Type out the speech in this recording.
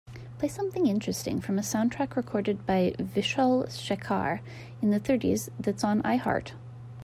Play something interesting from a soundtrack recorded by Vishal-shekhar in the thirties that's on Iheart